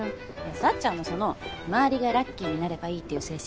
幸ちゃんのその周りがラッキーになれば良いっていう精神？